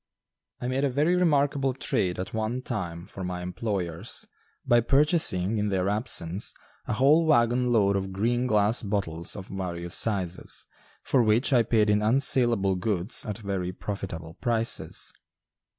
I made a very remarkable trade at one time for my employers by purchasing, in their absence, a whole wagon load of green glass bottles of various sizes, for which I paid in unsalable goods at very profitable prices.